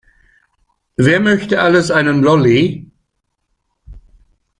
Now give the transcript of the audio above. Wer möchte alles einen Lolli?